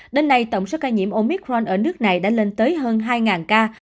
đến nay tổng số ca nhiễm omicron ở nước này đã lên tới hơn hai ca